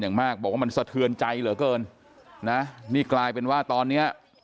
อย่างมากบอกว่ามันสะเทือนใจเหลือเกินนะนี่กลายเป็นว่าตอนเนี้ย